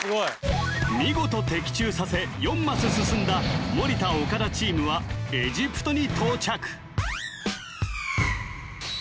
見事的中させ４マス進んだ森田岡田チームはエジプトに到着・あ